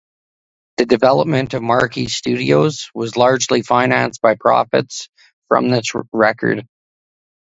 The development of Marquee Studios was largely financed by profits from this record.